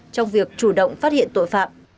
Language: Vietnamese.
trong việc chủ động phát hiện tội phạm